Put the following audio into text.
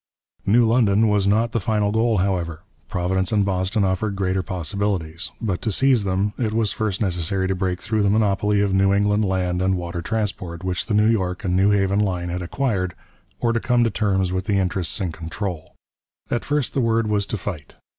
New London was not the final goal, however Providence and Boston offered greater possibilities. But to seize them it was first necessary to break through the monopoly of New England land and water transport, which the New York and New Haven line had acquired, or to come to terms with the interests in control. At first the word was to fight.